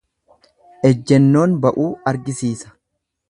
Ejjennoon ba'uu argisiisa.